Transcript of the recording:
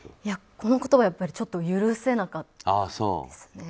この言葉ちょっと許せなかったですね。